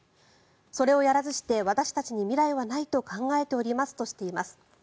それをやらずして私たちに未来はないと考えておりますとしています。